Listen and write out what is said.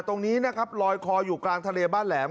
ตรงนี้นะครับลอยคออยู่กลางทะเลบ้านแหลม